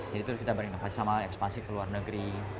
jadi terus kita berinovasi sama ekspansi ke luar negeri